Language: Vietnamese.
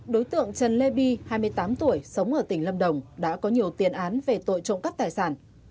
đối tượng trần lê bi hai mươi tám tuổi sống ở tỉnh lâm đồng đã có nhiều tiền án về tội trộm cắp tài sản